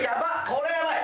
これやばい！